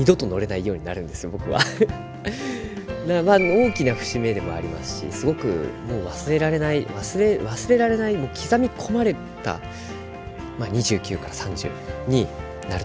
大きな節目でもありますしすごくもう忘れられない忘れられないもう刻み込まれたまあ２９から３０になると思いますし